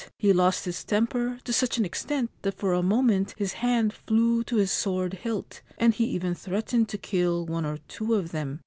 He lost his temper to such an extent that for a moment his hand flew to his sword hilt, and he even threatened to kill one or two of them.